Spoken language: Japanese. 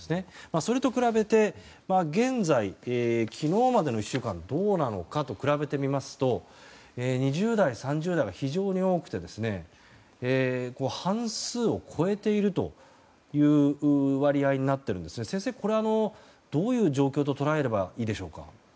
それと比べて昨日までの１週間はどうなのか比べてみますと２０代、３０代が非常に多くて半数を超えているという割合になっているんですが先生、これはどういう状況と捉えればいいでしょうか？